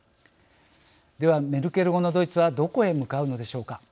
では、メルケル後のドイツはどこへ向かうのでしょうか。